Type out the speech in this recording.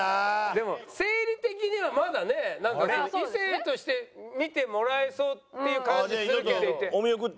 でも生理的にはまだね異性として見てもらえそうっていう感じするけど。